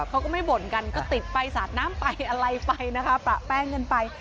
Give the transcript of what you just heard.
เขาก็ไม่บ่นกันก็ติดไปสาดน้ำไปอะไรไปนะคะประแป้งกันไป